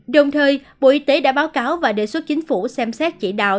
đồng thời bộ y tế đã báo cáo và đề xuất chính phủ xem xét chỉ đạo